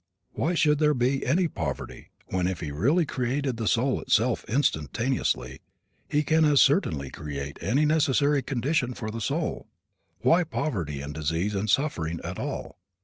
Why should there be any poverty when, if He really created the soul itself instantaneously, He can as certainly create any necessary condition for the soul? Why poverty and disease and suffering at all?